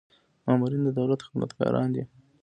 مامورین د دولت خدمتګاران دي